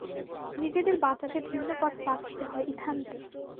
নিজেদের বাঁচাতে ভিন্ন পথ বাছতে হয় ইথানকে।